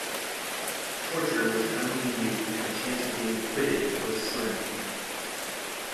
Torture was commonly used and the chance of being acquitted was slim.